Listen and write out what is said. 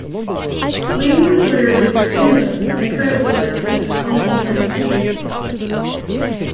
Leigh was reared in Virginia, and currently lives at his home in Tennessee.